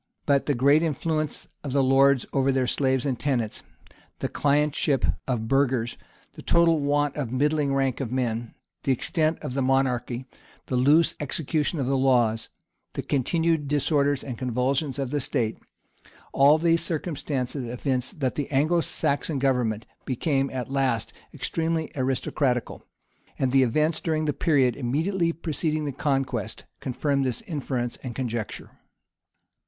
But the great influence of the lords over their slaves and tenants, the clientship of the burghers, the total want of a middling rank of men, the extent of the mon archy, the loose execution of the laws, the continued disorders and convulsions of the state, all these circumstances evince that the Anglo Saxon government became at last extremely aristocratical; and the events, during the period immediately preceding the conquest, confirm this inference or conjecture.